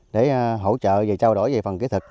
để hỗ trợ và trao đổi về phần kỹ thuật